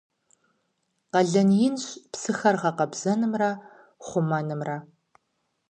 Къалэн инщ псыхэр гъэкъэбзэнымрэ хъумэнымрэ.